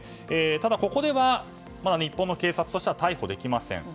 ただ、ここではまだ日本の警察としては逮捕できません。